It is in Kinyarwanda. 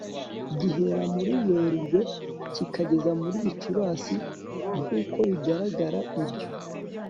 gihera muri werurwe kikageza muri gicurasi. nk'uko bigaragara ibyo